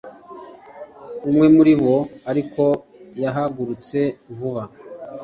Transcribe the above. umwe muri bo ariko yahagurutse vuba